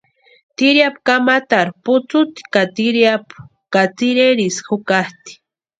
Tiriapu kamatarhu putsuti ka tiriapu ka tsïrerisï jukatʼi.